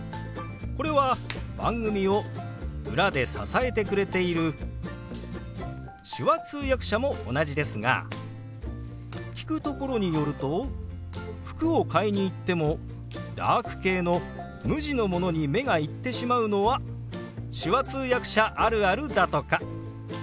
これは番組を裏で支えてくれている手話通訳者も同じですが聞くところによると服を買いに行ってもダーク系の無地のものに目が行ってしまうのは手話通訳者あるあるだとか。